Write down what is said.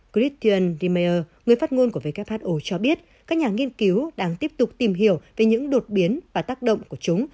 christian demeer người phát ngôn của who cho biết các nhà nghiên cứu đang tiếp tục tìm hiểu về những đột biến và tác động của chúng